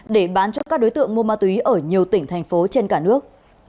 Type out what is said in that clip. để bán cho các đối tượng mua ma túy ở nhiều tỉnh thành phố trên cả nước